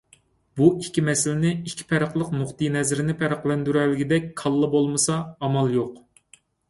بۇ ئىككى مەسىلىنى، ئىككى پەرقلىق نۇقتىئىنەزەرنى پەرقلەندۈرەلىگۈدەك كاللا بولمىسا، ئامال يوق.